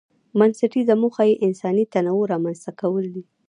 بنسټيزه موخه یې انساني تنوع رامنځته کول دي.